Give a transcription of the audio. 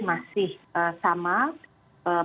yang diperiksa masih sama